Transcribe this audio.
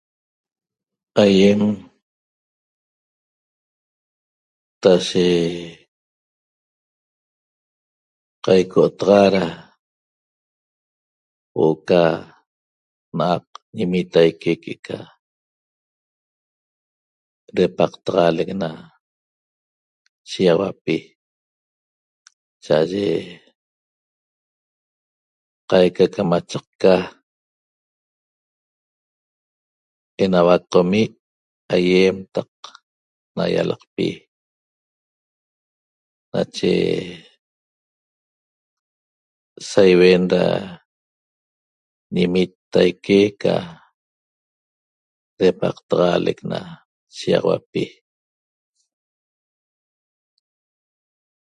Aiem tase qaico taxa ra huo'o ca na'aq ñimitaique que'eca repaxatalec na shigaxauapi cha'aye qaica ca machaqca enauac qomi' aiem taq na ialaqpi nache saiuen ra ñimitaique ca repaxatalec na shigaxauapi